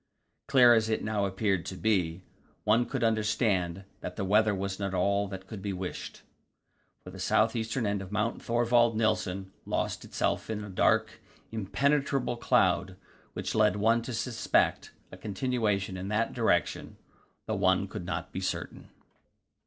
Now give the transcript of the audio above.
Clear as it now appeared to be, one could understand that the weather was not all that could be wished, for the south eastern end of Mount Thorvald Nilsen lost itself in a dark, impenetrable cloud, which led one to suspect a continuation in that direction, though one could not be certain.